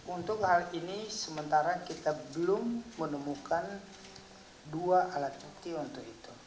untuk hal ini sementara kita belum menemukan dua alat bukti untuk itu